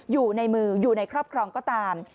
อยู่ในมืออยู่ในครอบครองก็ตาม